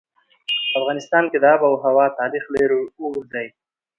په افغانستان کې د آب وهوا تاریخ ډېر اوږد دی.